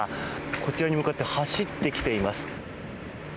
こちらに向かって走ってきています。